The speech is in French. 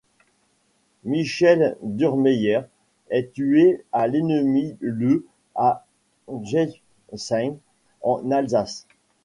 Michel Durrmeyer est tué à l'ennemi le à Jebsheim en Alsace.